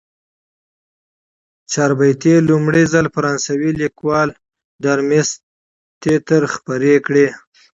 چاربیتې لومړی ځل فرانسوي لیکوال ډارمستتر خپرې کړې.